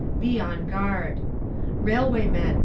Be on guard! Railway men!